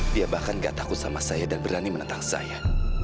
dia bahkan gak takut sama saya dan berani menentang saya